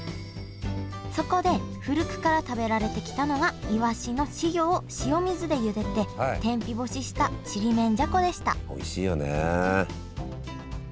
そこで古くから食べられてきたのがイワシの稚魚を塩水で茹でて天日干ししたちりめんじゃこでしたおいしいよね。